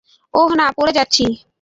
ওহ না, পড়ে যাচ্ছি।